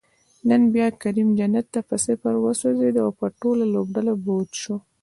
نن بیا کریم جنت په صفر وسوځید، او په ټوله لوبډله بوج شو